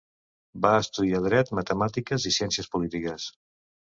Va estudiar Dret, Matemàtiques i Ciències polítiques.